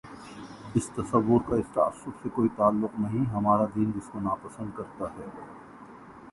اس تصور کا اس تعصب سے کوئی تعلق نہیں، ہمارا دین جس کو ناپسند کر تا ہے۔